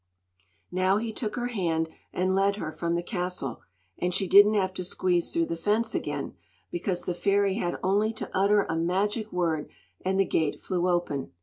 Now he took her hand and led her from the castle; and she didn't have to squeeze through the fence again, because the fairy had only to utter a magic word and the gate flew open.